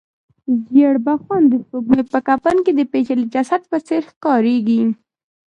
زېړبخونده سپوږمۍ په کفن کې د پېچلي جسد په څېر ښکاریږي.